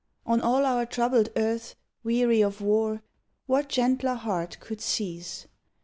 On all our troubled earth, Weary of war, what gentler heart could cease?